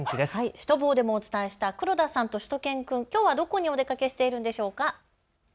シュトボーでもお伝えした黒田さん、しゅと犬くん、きょうはどこにお出かけしているのでしょうか。